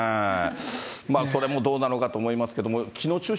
それもどうなのかと思いますけれども。